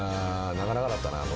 なかなかだったな。